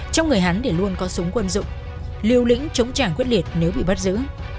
trong người hắn để luôn có súng quân dụng liều lĩnh chống trả quyết liệt nếu bị bắt giữ